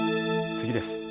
次です。